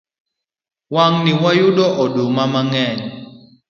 Wang'ni wayudo oduma mang'eny